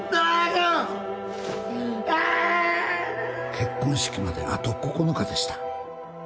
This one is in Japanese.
結婚式まであと９日でした。